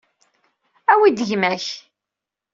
Awi-d gma-k.